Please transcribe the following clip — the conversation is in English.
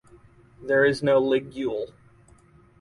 There is no ligule.